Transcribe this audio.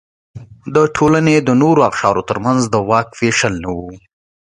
د ټولنې د نورو اقشارو ترمنځ د واک وېشل نه و.